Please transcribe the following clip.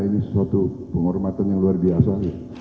ini suatu penghormatan yang luar biasa